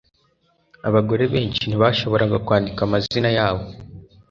Abagore benshi ntibashoboraga kwandika amazina yabo